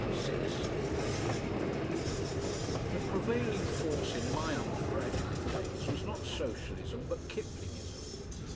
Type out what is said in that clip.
6 The prevailing force in my undergraduate days was not Socialism but Kiplingism.